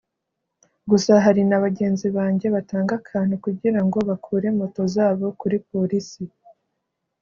gusa hari na bagenzi banjye batanga akantu kugira ngo bakure moto zabo kuri polisi